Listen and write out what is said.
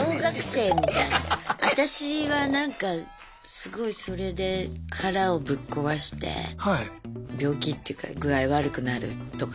私はなんかすごいそれで腹をぶっ壊して病気っていうか具合悪くなるとか。